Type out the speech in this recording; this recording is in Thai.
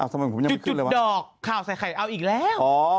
ยังจุดดอกข่าวใส่ไข่เอาอีกแล้ว